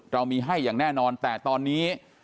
เรามีให้อย่างแน่นอนแต่ตอนนี้